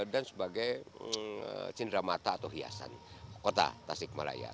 dan sebagai cindera mata atau hiasan kota tasik malaya